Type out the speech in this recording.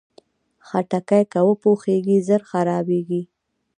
خټکی که وپوخېږي، ژر خرابېږي.